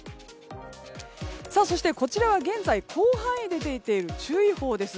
そして、こちらは現在、広範囲で出ている注意報です。